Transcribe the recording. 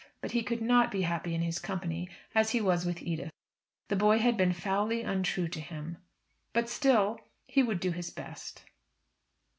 But he could not be happy in his company as he was with Edith. The boy had been foully untrue to him but still he would do his best.